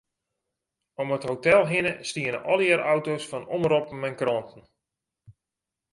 Om it hotel hinne stiene allegearre auto's fan omroppen en kranten.